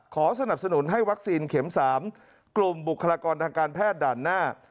สนับสนุนให้วัคซีนเข็ม๓กลุ่มบุคลากรทางการแพทย์ด่านหน้า